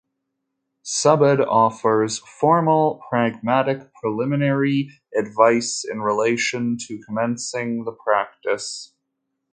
Subud offers formal pragmatic, preliminary advice in relation to commencing the practice.